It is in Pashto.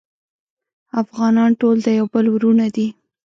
افغانان ټول د یو بل وروڼه دی